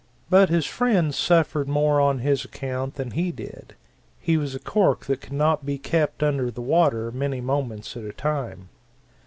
But his friends suffered more on his account than he did. He was a cork that could not be kept under the water many moments at a time.